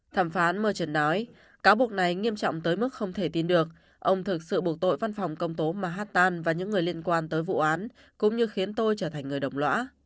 thẩm phán merchon nói cáo buộc này nghiêm trọng tới mức không thể tin được ông thực sự buộc tội văn phòng công tố mahatan và những người liên quan tới vụ án cũng như khiến tôi trở thành người đồng lõa